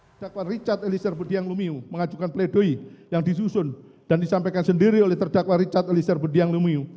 terdakwa richard eliezer budiang lumiu mengajukan play doh yang disusun dan disampaikan sendiri oleh terdakwa richard eliezer budiang lumiu